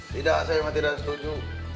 tidak saya memang tidak setuju